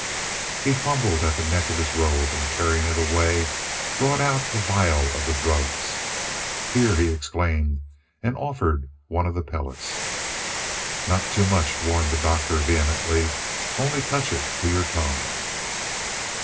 He fumbled at the neck of his robe, and tearing it away, brought out a vial of the drugs. "Here," he exclaimed, and offered one of the pellets. "Not too much," warned the Doctor vehemently, "only touch it to your tongue."